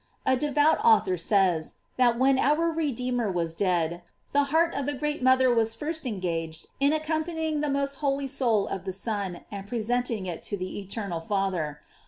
A devout author says, that when our Redeemer was dead, the heart of the great mother was first engaged in accompanying the most holy soul of the Son, and presenting it to the eternal father.